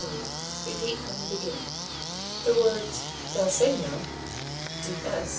_, repeat from the beginning. The words dal segno (_D.S.